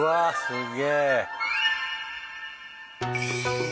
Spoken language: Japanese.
すげえ。